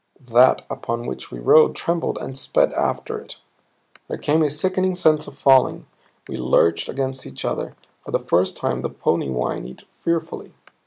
That upon which we rode trembled and sped after it. There came a sickening sense of falling; we lurched against each other; for the first time the pony whinnied, fearfully.